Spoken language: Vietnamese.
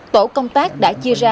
tổ công tác đã chia ra ba mươi